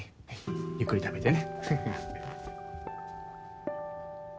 ゆっくり食べてね。